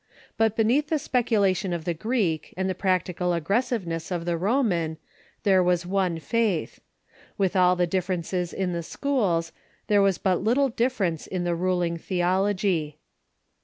But beneath the speculation of the Greek and the prac tical aggressiveness of the Roman, there was one faith. With all the differences in the schools, there was but little difference in the ruling theology.